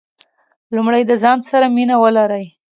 لومړی د ځان سره مینه ولرئ .